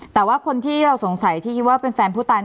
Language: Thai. แต่ว่าคนที่เราสงสัยที่คิดว่าเป็นแฟนผู้ตาย